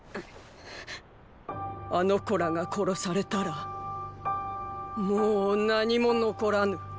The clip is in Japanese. あの子らが殺されたらもう何も残らぬ。